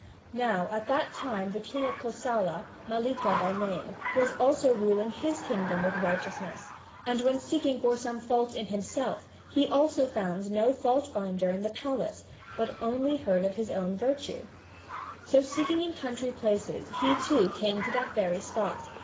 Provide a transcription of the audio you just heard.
Now at that time the king of Kosala, Mallika by name, was also ruling his kingdom with righteousness; and when seeking for some fault in himself, he also found no fault finder in the palace but only heard of his own virtue! So seeking in country places, he too came to that very spot.